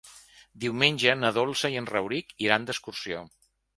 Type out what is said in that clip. Diumenge na Dolça i en Rauric iran d'excursió.